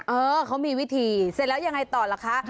เออเขามีวิธีเสร็จแล้วยังไงต่อล่ะคะ